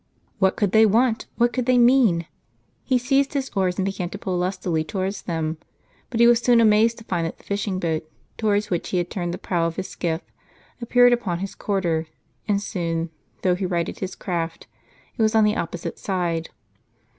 What could they want? what could they mean? He seized his oars, and began to pull lustily towards them ; but he was soon amazed to find that the fishing boat, towards which he had turned the prow of his skiff, appeared upon his quarter ; and soon, though he righted his craft, it was on the opposite side.